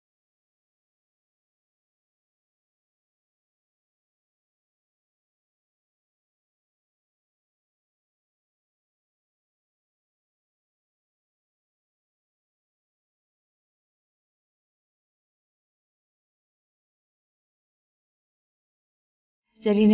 sampai jumpa di video selanjutnya